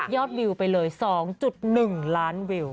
วิวไปเลย๒๑ล้านวิว